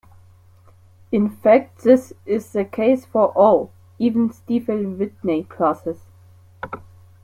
In fact this is the case for all even Stiefel-Whitney classes.